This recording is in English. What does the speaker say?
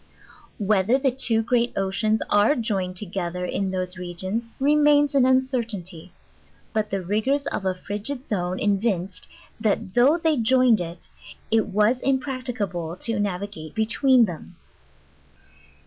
Whether the two great oceans are joined together in those regions re mains an uncertainty; but the rigors of a frigid zone evin ced, that though they joined it, it was impracticable to navi gate between them.